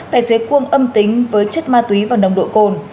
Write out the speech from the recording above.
tài xế cuông âm tính với chất ma túy và nồng độ cồn